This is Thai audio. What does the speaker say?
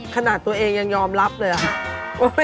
ขนาดตัวเองยังยอมรับเลยอะ